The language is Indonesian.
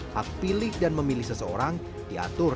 hak pilih dan memilih seseorang diatur